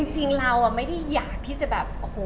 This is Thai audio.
จริงเราไม่ได้อยากที่จะแบบโอ้โห